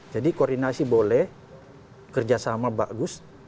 jadi koordinasi boleh kerjasama bagus